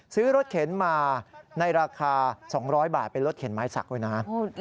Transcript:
ซื้อรถเข็นมาในราคา๒๐๐บาทเป็นรถเข็นไม้สักด้วยนะ